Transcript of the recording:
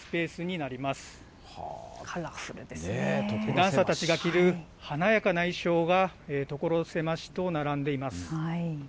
ダンサーたちが着る華やかな衣装が、所狭しと並んでいます。